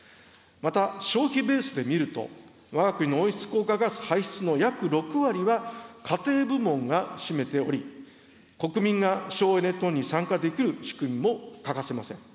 また、消費ベースで見ると、わが国の温室効果ガス排出の約６割は家庭部門が占めており、国民が省エネ等に参加できる仕組みも欠かせません。